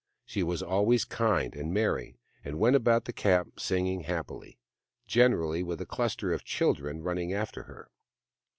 She was always kind and merry, and went about the camp singing happily, generally with a cluster of children running after her.